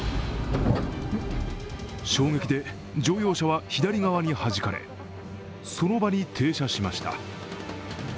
衝撃で乗用車は左側にはじかれ、その場に停車しました。